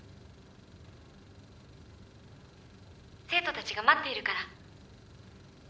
「生徒たちが待っているから」